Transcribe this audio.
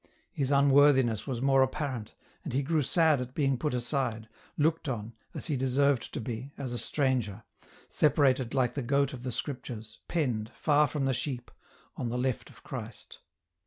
His unworthiness was more apparent, and he grew sad at being put aside, looked on, as he deserved to be, as a stranger, separated like the goat of the Scriptures, penned, far from the sheep, on the left of Christ.